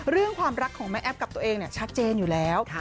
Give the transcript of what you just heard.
เรื่องความรักของแม่แอฟกับตัวเองชัดเจนอยู่แล้ว